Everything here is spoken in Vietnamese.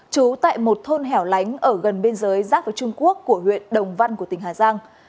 trú tại một thôn hẻo lánh ở gần biên giới giáp với trung quốc của huyện đồng văn của tỉnh hà giang